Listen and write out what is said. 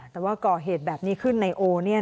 แต่ว่าก่อเหตุแบบนี้ขึ้นในโอเนี่ย